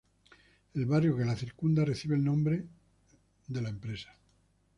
El barrio que la circunda recibe el mismo nombre de la empresa.